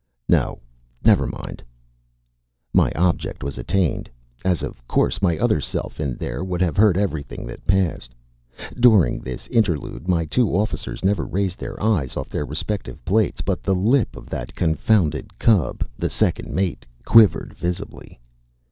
"No! never mind." My object was attained, as of course my other self in there would have heard everything that passed. During this interlude my two officers never raised their eyes off their respective plates; but the lip of that confounded cub, the second mate, quivered visibly.